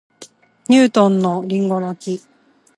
ニュートンと林檎の木